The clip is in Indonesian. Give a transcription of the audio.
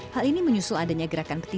hal ini menyusul adegan ketua umum pssi